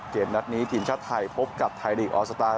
เกมนัดนี้ทีมชาติไทยพบกับไทยลีกออสตาร์